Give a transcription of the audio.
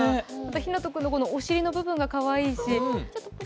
ひなと君のお尻の部分がかわいいし。